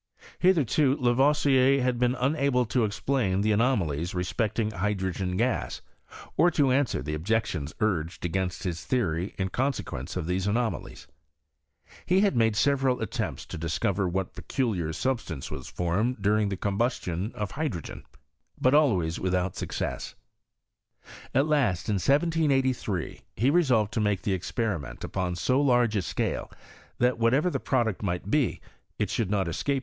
Hitherto Lavoisier had been unable to explain the anomalies respecting hydrogen gas, or to answer the objections urged against his theory in conse quence of these anomedies. He had made severed att^oapts to discover what peculiar substance was formed during the combustion of hydrogen, but always without success : at last, in 1783, he resolved to make the experiment upon so large a scale, that ivbatever the product might be, it should not escape VOL.